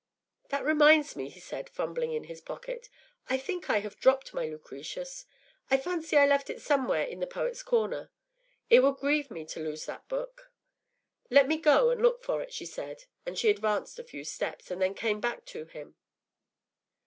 ” “That reminds me,” he said, fumbling in his pocket; “I think I have dropped my Lucretius. I fancy I left it somewhere in the Poets’ Corner. It would grieve me to lose that book.” “Let me go and look for it,” she said, and she advanced a few steps, and then came back to him.